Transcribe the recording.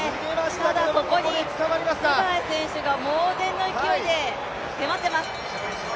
ただ、そこにツェガイ選手が猛然の勢いで迫っています。